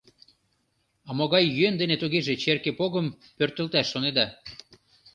— А могай йӧн дене тугеже черке погым пӧртылташ шонеда?